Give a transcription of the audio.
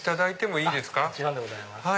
もちろんでございます。